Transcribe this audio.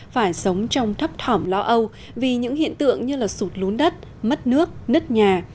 phải sống trong thấp thỏm lo âu vì những hiện tượng như sụt lún đất mất nước nứt nhà